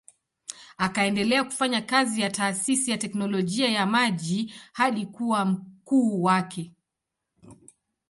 Akaendelea kufanya kazi ya taasisi ya teknolojia ya maji hadi kuwa mkuu wake.